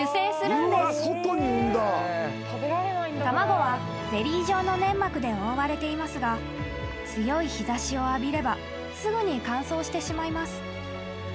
［卵はゼリー状の粘膜で覆われていますが強い日差しを浴びればすぐに乾燥してしまいます］